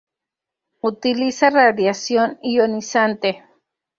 Utiliza radiación ionizante.